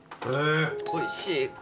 おいしい。